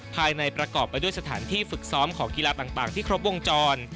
ประกอบไปด้วยสถานที่ฝึกซ้อมของกีฬาต่างที่ครบวงจร